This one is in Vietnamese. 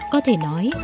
có thể nói